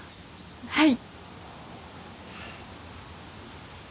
はい。